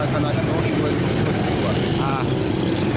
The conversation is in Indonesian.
masyarakat reuni dua ribu satu ratus dua puluh dua